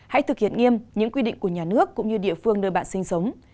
hãy thực hiện nghiêm những quy định của nhà nước cũng như địa phương nơi bạn sinh sống